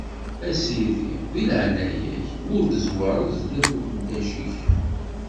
A sidi, di leɛnaya-k, ma ur tezwareḍ zdat n uqeddac-ik.